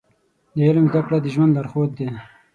د علم زده کړه د ژوند لارښود دی.